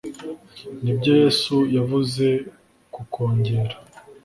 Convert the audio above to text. ni byo yesu yavuze ku kongera